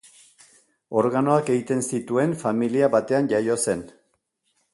Organoak egiten zituen familia batean jaio zen.